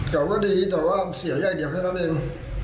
เก่าก็ดีแต่ว่าเสียยากเดียวแค่นั้นเอง